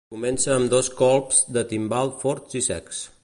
Comença amb dos colps de timbal forts i secs.